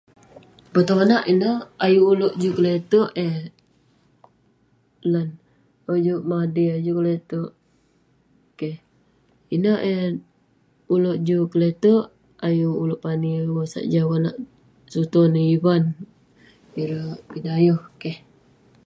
Petonak ineh ayuk ulouk juk kle'terk eh..lan, ulouk juk maok yah, ulouk juk kle'terk..keh, ineh eh ulouk juk kle'terk..ayuk ulouk pani ngan bengosak jah konak contoh neh ivan, ireh bidayuh, keh..